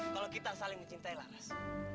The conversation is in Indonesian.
kalau kita saling mencintai laras